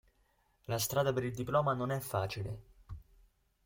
La strada per il diploma non è facile.